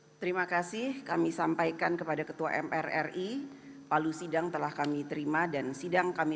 hai terima kasih kami sampaikan kepada ketua mrri palu sidang telah kami terima dan sidang kami